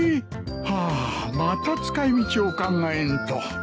ハアまた使い道を考えんと。